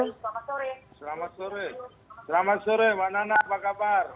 selamat sore pak nana apa kabar